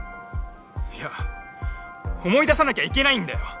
いや思い出さなきゃいけないんだよ！